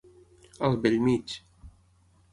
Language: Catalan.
Al bell mig.